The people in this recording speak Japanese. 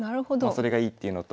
それがいいっていうのと。